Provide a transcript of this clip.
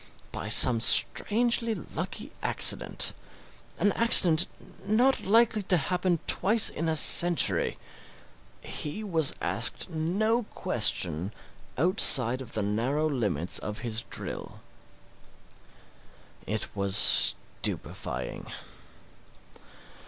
By some strangely lucky accident an accident not likely to happen twice in a century he was asked no question outside of the narrow limits of his drill. It was stupefying.